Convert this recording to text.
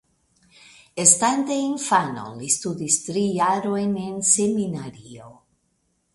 Estante infano li studis tri jarojn en seminario.